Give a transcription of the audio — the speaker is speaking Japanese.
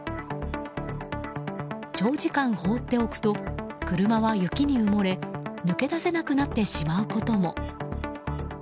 長時間放っておくと車は雪に埋もれ抜け出せなくなってしまうことも。